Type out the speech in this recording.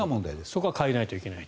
それは変えないといけないと。